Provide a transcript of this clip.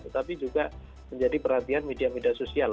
tetapi juga menjadi perhatian media media sosial